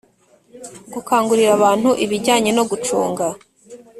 Gukangurira abantu ibijyanye no gucunga